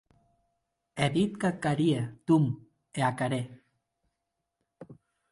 È dit qu'ac haria, Tom, e ac harè.